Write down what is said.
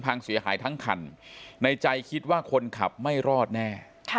พังเสียหายทั้งคันในใจคิดว่าคนขับไม่รอดแน่